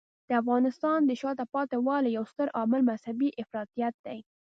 د افغانستان د شاته پاتې والي یو ستر عامل مذهبی افراطیت دی.